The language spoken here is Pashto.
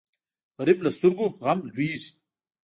غریب له سترګو غم لوېږي